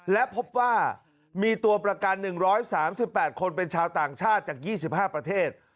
และพบว่ามีตัวประกัน๑๓๘คนเป็นชาวต่างชาติจาก๒๕ประเทศ